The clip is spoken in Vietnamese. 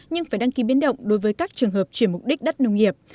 nhưng phải đăng ký biến động đối với các trường hợp chuyển mục đích đất nông nghiệp